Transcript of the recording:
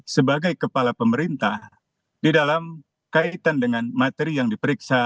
sebagai kepala pemerintah di dalam kaitan dengan materi yang diperiksa